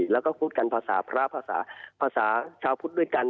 แล้วก็พูดกันภาษาพระภาษาภาษาชาวพุทธด้วยกัน